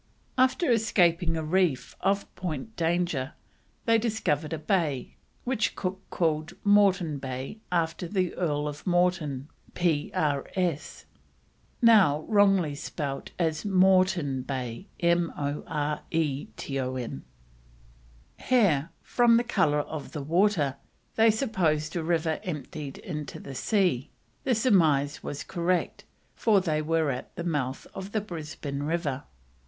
After escaping a reef off Point Danger they discovered a bay, which Cook called Morton Bay after the Earl of Morton, P.R.S.; now wrongly spelt as Moreton Bay. Here, from the colour of the water, they supposed a river emptied into the sea; the surmise was correct, for they were at the mouth of the Brisbane River.